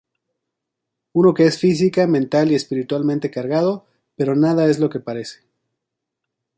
Uno que es física, mental y espiritualmente cargado pero nada es lo que parece.